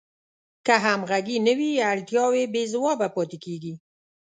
که همغږي نه وي اړتیاوې بې ځوابه پاتې کیږي.